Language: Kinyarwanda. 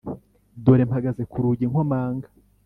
Dore mpagaze ku rugi nkomanga